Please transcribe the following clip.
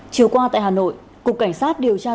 chiều qua tại hà nội cục cảnh sát điều tra tội phạm